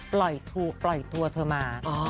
ปล่อยทั่วมา